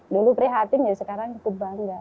dulu prihatin ya sekarang cukup bangga